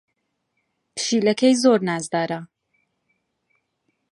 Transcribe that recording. پشیلەکەی زۆر نازدارە.